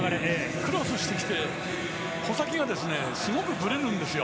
クロスしてきて先がすごくぶれるんですよ。